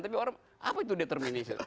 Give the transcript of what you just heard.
tapi orang apa itu determinis itu